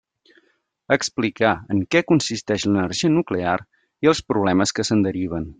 Explicar en què consisteix l'energia nuclear i els problemes que se'n deriven.